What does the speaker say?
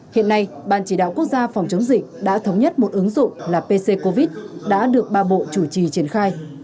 hiện nay ban chỉ đạo quốc gia phòng chống dịch đã thống nhất một ứng dụng là pc covid đã được ba bộ chủ trì triển khai